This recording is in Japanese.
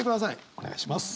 お願いします。